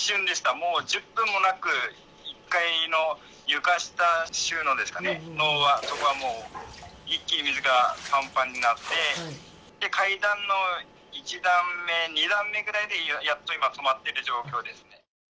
もう１０分もなく、１階の床下収納ですかね、そこはもう一気に水がぱんぱんになって、階段の１段目、２段目ぐらいでやっと今、止まっている状況ですね。